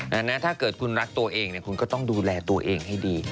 แล้วถ้าเกิดคุณรักตัวเองเนี่ยคุณก็ต้องดูแลตัวเองให้ดี